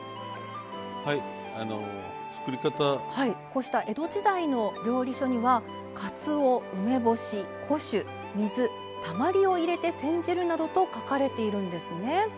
こうした江戸時代の料理書にはかつお梅干し古酒水たまりを入れて煎じるなどと書かれているんですね。